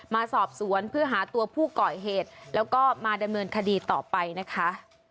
มาสอบสวนเพื่อหาตัวผู้ก่อเหตุแล้วก็มาดำเนินคดีต่อไปนะคะ